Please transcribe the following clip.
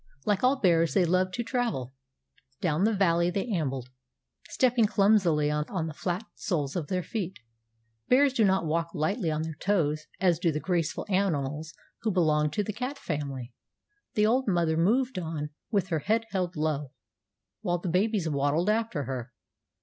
Like all bears they loved to travel. Down the valley they ambled, stepping clumsily on the flat soles of their feet. Bears do not walk lightly on their toes, as do the graceful animals who belong to the cat family. The old mother moved on with her head held low, while the babies waddled after her.